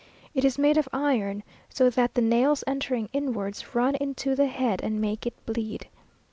It is made of iron, so that the nails entering inwards, run into the head, and make it bleed.